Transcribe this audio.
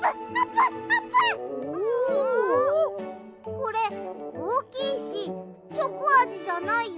これおおきいしチョコあじじゃないよ。